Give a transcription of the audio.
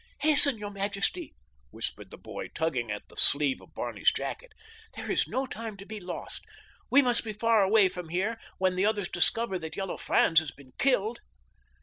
"Hasten, your majesty," whispered the boy, tugging at the sleeve of Barney's jacket. "There is no time to be lost. We must be far away from here when the others discover that Yellow Franz has been killed."